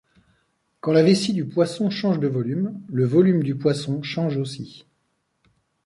Quand la vessie du poisson change de volume, le volume du poisson change aussi.